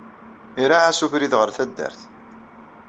Iraɛ-as ubrid ɣer taddart.